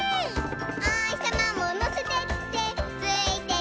「おひさまものせてってついてくるよ」